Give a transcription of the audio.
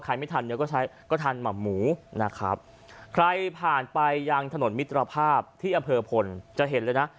ใครไม่ทันก็ทันหมัมหมูนะครับใครผ่านไปยังถนนมิตรภาพที่อเผอร์พลจะเห็นเลยนะ